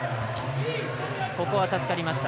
ここは助かりました。